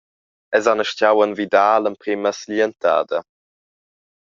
Els han astgau envidar l’emprema siglientada.